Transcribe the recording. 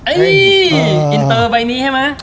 เฮ้ยอีนเตอร์ใบนี้ใช่มั้ย